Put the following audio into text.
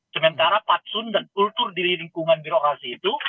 sementara patsun dan kultur di lingkungan birokrasi itu